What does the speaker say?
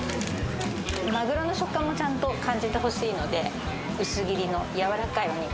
マグロの食感もちゃんと感じてほしいので薄切りの軟らかいお肉